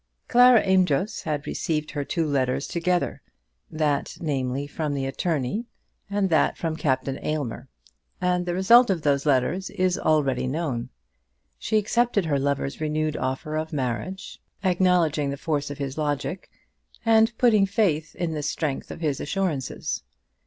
Clara Amedroz had received her two letters together, that, namely, from the attorney, and that from Captain Aylmer, and the result of those letters is already known. She accepted her lover's renewed offer of marriage, acknowledging the force of his logic, and putting faith in the strength of his assurances.